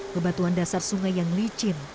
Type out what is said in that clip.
bebatuan dasar sungai yang licin